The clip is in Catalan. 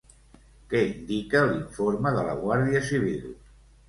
Què indica l'informe de la Guàrdia Civil?